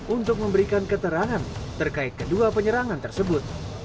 untuk memberikan keterangan terkait kedua penyerangan tersebut